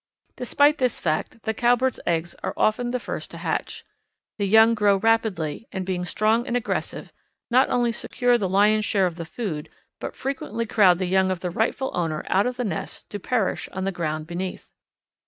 Despite this fact the Cowbird's eggs are often first to hatch. The young grow rapidly and, being strong and aggressive, not only secure the lion's share of the food, but frequently crowd the young of the rightful owner out of the nest to perish on the ground beneath.